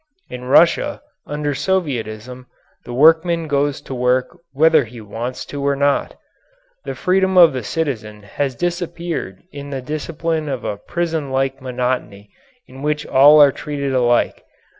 In Russia, under Sovietism, the workman goes to work whether he wants to or not. The freedom of the citizen has disappeared in the discipline of a prison like monotony in which all are treated alike.